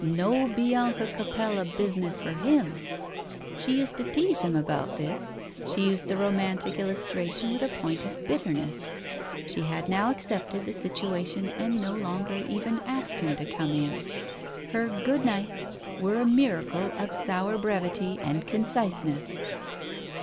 No Bianca Capello business for him ! She used to tease him about this, she used the romantic illustration, with a point of bitterness. She had now accepted the situation and no longer even asked him to come in. Her " Good nights " were a miracle of sour brevity and conciseness.